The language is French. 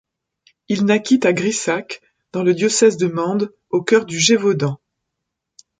Il naquit à Grisac, dans le diocèse de Mende, au cœur du Gévaudan.